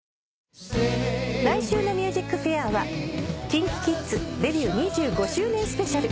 来週の『ＭＵＳＩＣＦＡＩＲ』はＫｉｎＫｉＫｉｄｓデビュー２５周年スペシャル。